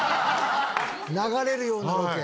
流れるようなロケ。